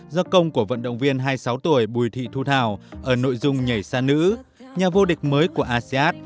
do công của vận động viên hai mươi sáu tuổi bùi thị thu thảo ở nội dung nhảy xa nữ nhà vô địch mới của asean